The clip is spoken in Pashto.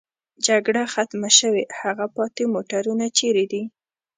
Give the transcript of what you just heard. جګړه ختمه شوې، هغه پاتې موټرونه چېرې دي؟